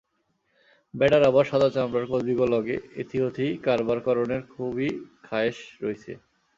বেডার আবার সাদা চামড়ার কসবিগো লগে এথি-ওথি কারবার করণের খুবই খায়েশ রইছে।